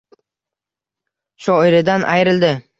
Shoiridan ayrildi.